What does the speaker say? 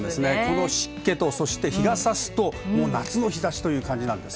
この湿気と、日が差すと夏の日差しという感じです。